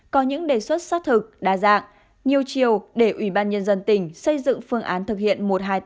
có những đề xuất xác thực đa dạng nhiều chiều để ubnd tỉnh xây dựng phương án thực hiện một trăm hai mươi tám